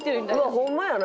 ホンマやな。